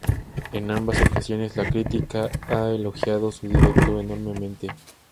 En ambas ocasiones la crítica ha elogiado su directo enormemente.